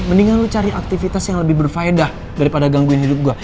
mendingan lu cari aktivitas yang lebih berfaedah daripada gangguin hidup gue